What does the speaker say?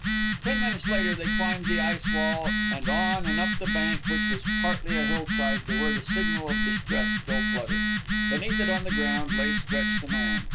Ten minutes later they climbed the ice wall, and on and up the bank, which was partly a hillside, to where the signal of distress still fluttered. Beneath it, on the ground, lay stretched the man.